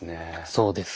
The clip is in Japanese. そうです。